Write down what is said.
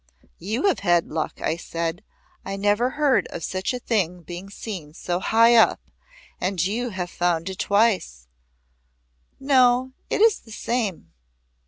"You have had luck," I said; "I never heard of such a thing being seen so high up, and you have found it twice." "No, it is the same."